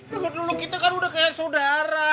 dengar dulu kita kan udah kaya saudara